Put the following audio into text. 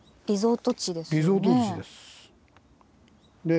リゾート地です。